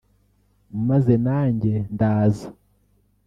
”Maze nanjye ndaza